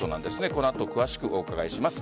この後、詳しくお伺いします。